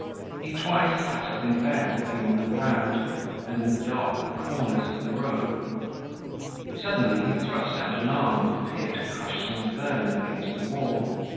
He twice sat up in bed looking on the ground and in the dark corners of the room. Suddenly he thrust out an arm and appeared to crush some vermin against the wall.